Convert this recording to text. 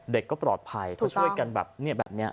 เด็กก็ปลอดภัยเขาช่วยกันแบบนี้